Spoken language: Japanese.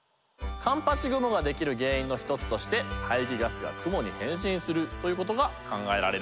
環八雲ができる原因の一つとして排気ガスが雲に変身するということが考えられるんです。